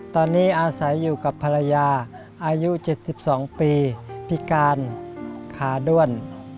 ตอนนี้อาศัยอยู่กับภรรยาอายุ๗๒ปีพิการขาด้วน